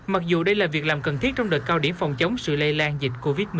mặc dù đây là việc làm cần thiết trong đợt cao điểm phòng chống sự lây lan dịch covid một mươi chín